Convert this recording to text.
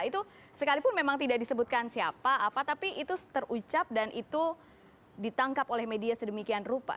itu sekalipun memang tidak disebutkan siapa apa tapi itu terucap dan itu ditangkap oleh media sedemikian rupa